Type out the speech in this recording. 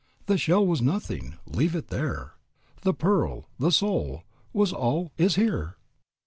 The shell was nothing, leave it there; The pearl the soul was all, is here."